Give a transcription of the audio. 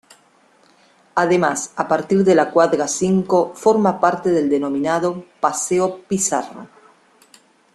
Además, a partir de la cuadra cinco forma parte del denominado "Paseo Pizarro".